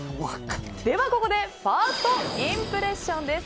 ではここでファーストインプレッションです。